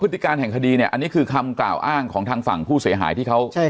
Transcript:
ติการแห่งคดีเนี่ยอันนี้คือคำกล่าวอ้างของทางฝั่งผู้เสียหายที่เขา